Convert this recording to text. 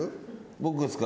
僕ですか？